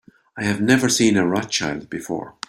I have never seen a Rothschild before.